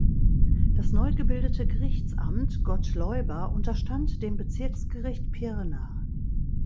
Das neu gebildete Gerichtsamt Gottleuba unterstand dem Bezirksgericht Pirna.